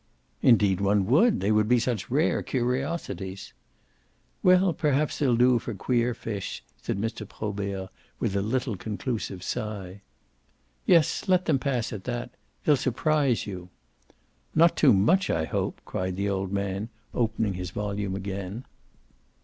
"Indeed one would; they would be such rare curiosities." "Well, perhaps they'll do for queer fish," said Mr. Probert with a little conclusive sigh. "Yes, let them pass at that. They'll surprise you." "Not too much, I hope!" cried the old man, opening his volume again.